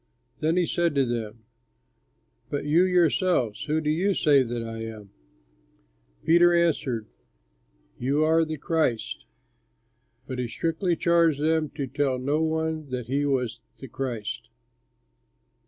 '" Then he said to them, "But you yourselves, who do you say that I am?" Peter answered him, "You are the Christ." But he strictly charged them to tell no one that he was the Christ.